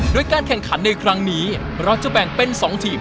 โดยการแข่งขันในครั้งนี้เราจะแบ่งเป็น๒ทีม